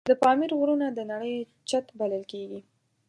د پامیر غرونه د نړۍ چت بلل کېږي.